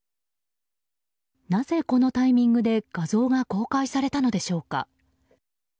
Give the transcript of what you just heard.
なぜ、このタイミングで画像が公開されたのでしょうか。